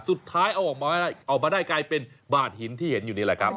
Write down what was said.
สุดท้ายเอาออกมาออกมาได้กลายเป็นบาดหินที่เห็นอยู่นี่แหละครับ